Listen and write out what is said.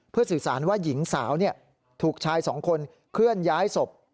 สื่อสารว่าหญิงสาวถูกชายสองคนเคลื่อนย้ายศพ